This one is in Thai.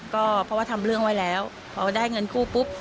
ก็เพราะว่าทำเรื่องไว้แล้วพอได้เงินกู้ปุ๊บ